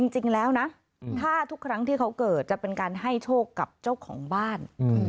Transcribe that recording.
จริงแล้วนะถ้าทุกครั้งที่เขาเกิดจะเป็นการให้โชคกับเจ้าของบ้าน